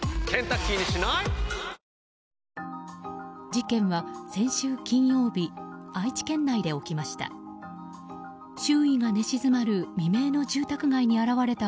事件は先週金曜日愛知県内で起きました。